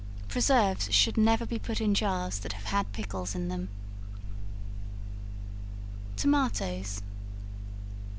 Preserves should never be put in jars that have had pickles in them. Tomatoes.